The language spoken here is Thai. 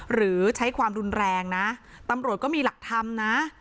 หรือใช้ความรุนแรงนะตำรวจก็มีหลักธรรมนะ